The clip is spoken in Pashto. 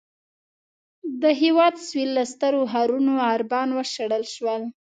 د هېواد سوېل له سترو ښارونو عربان وشړل شول.